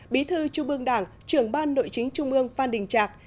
bí thư trung bương đảng trưởng ban nội chính trung mương phan đình trạc